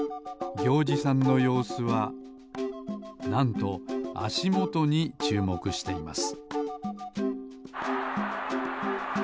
ぎょうじさんのようすはなんとあしもとにちゅうもくしています